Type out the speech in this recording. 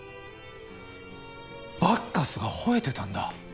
バッカスが吠えてたんだ。